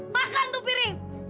makan tuh piring